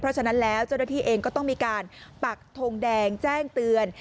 เพราะฉะนั้นแล้วเจ้าหน้าที่เองก็ต้องมีการปักทงแดงแจ้งเตือน